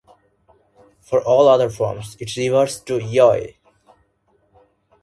For all other forms it reverts to "yoi".